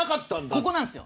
そこなんですよ。